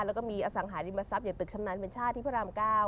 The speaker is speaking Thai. แล้วก็มีอสังหาริมทรัพย์อย่างตึกชำนาญเป็นชาติที่พระราม๙